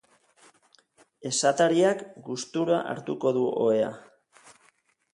Esatariak gustura hartuko du ohea.